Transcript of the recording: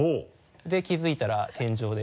で気付いたら天井で。